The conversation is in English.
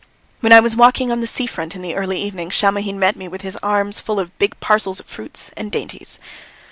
When I was walking on the sea front in the early evening Shamohin met me with his arms full of big parcels of fruits and dainties.